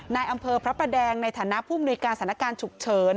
ในอำเภอพระประแดงในฐานะผู้มนุยการสถานการณ์ฉุกเฉิน